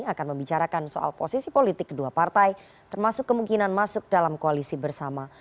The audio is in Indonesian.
akan membicarakan soal posisi politik kedua partai termasuk kemungkinan masuk dalam koalisi bersama